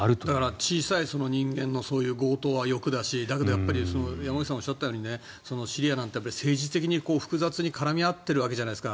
小さい人間の強盗は欲だしだけど、山口さんがおっしゃったようにシリアなんて政治的に複雑に絡み合っているわけじゃないですか。